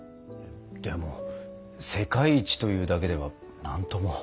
でも「世界一」というだけでは何とも。